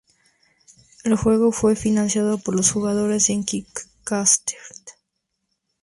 El juego fue financiado por los jugadores en Kickstarter.